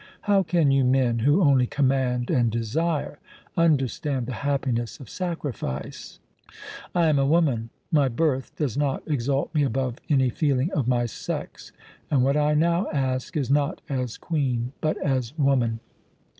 How can you men, who only command and desire, understand the happiness of sacrifice? I am a woman; my birth does not exalt me above any feeling of my sex; and what I now ask is not as Queen but as woman."